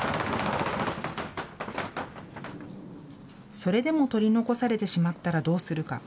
それでも取り残されてしまったらどうするか。